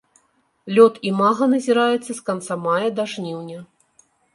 Лёт імага назіраецца з канца мая да жніўня.